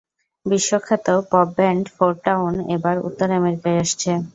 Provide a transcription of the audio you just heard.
বিশ্বখ্যাত pop band Fourtown, এবার উত্তর আমেরিকায় আসছে।